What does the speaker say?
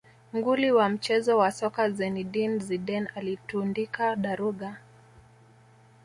nguli wa mchezo wa soka zinedine zidane alitundika daruga